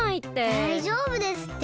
だいじょうぶですって。